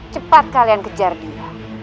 cepat kalian harus mengejar dia